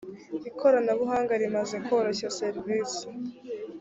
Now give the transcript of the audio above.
ikoranabuhanga rimaze koroshya serivise